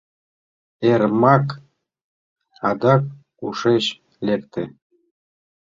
— Эрмак адак кушеч лекте?